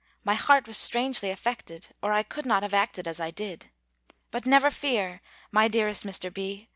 My heart was strangely affected or I could not have acted as I did. But never fear, my dearest Mr. B.